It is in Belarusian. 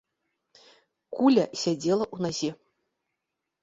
Куля сядзела ў назе.